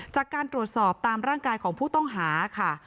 จากการตรวจสอบตามร่างกายของผู้ต้องหาค่ะ